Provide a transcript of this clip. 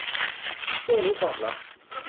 ล่วงรู้ความลับ